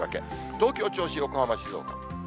東京、銚子、横浜、静岡。